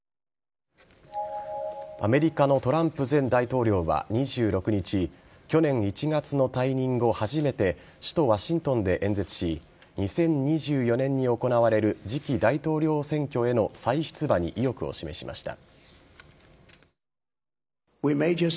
アメリカのトランプ前大統領は２６日去年１月の退任後、初めて首都・ワシントンで演説し２０２４年に行われる次期大統領選挙への再出馬に意欲を示しました。